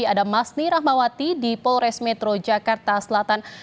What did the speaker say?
ada masni rahmawati di polres metro jakarta selatan